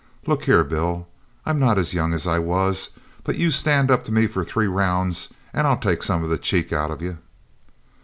'Look here, Bill, I'm not as young as I was, but you stand up to me for three rounds and I'll take some of the cheek out of yer.'